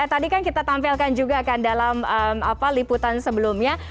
tadi kan kita tampilkan juga kan dalam liputan sebelumnya